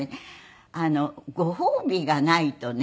ご褒美がないとね。